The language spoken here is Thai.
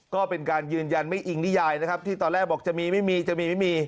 ก็เป็นการยืนยันไม่อิงนิยายนะครับที่ตอนแรกบอกจะมีไม่มีจะมีไม่มี